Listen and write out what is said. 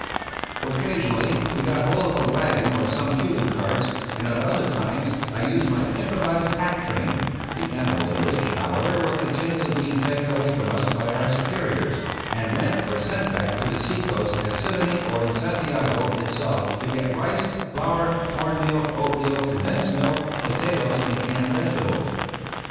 Occasionally we got hold of a wagon or of some Cuban carts, and at other times I used my improvised pack train (the animals of which, however, were continually being taken away from us by our superiors) and went or sent back to the sea coast at Siboney or into Santiago itself to get rice, flour, cornmeal, oatmeal, condensed milk, potatoes, and canned vegetables.